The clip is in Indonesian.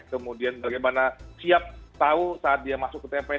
kemudian bagaimana siap tahu saat dia masuk ke tps